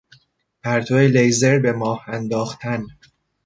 پرتو لیزر به ماه انداختن